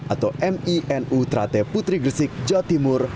atau minu trate putri gresik jawa timur